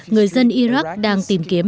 người dân iraq đang tìm kiếm